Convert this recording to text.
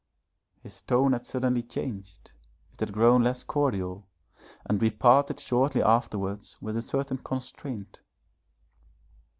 His tone had suddenly changed, it had grown less cordial, and we parted shortly afterwards with a certain constraint.